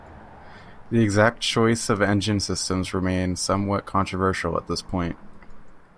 The exact choice of engine systems remains somewhat controversial at this point.